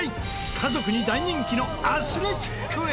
家族に大人気のアスレチックへ！